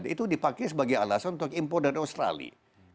itu dipakai sebagai alasan untuk impor dari australia